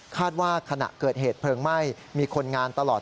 ว่าขณะเกิดเหตุเพลิงไหม้มีคนงานตลอด